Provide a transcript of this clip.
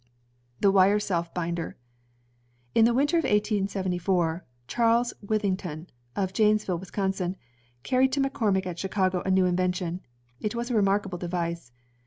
The Wire Self binder In the winter of 1874, Charles Withington, of Janes ville, Wisconsin, carried to McCormick at Chicago a new invention. It was a remarkable device.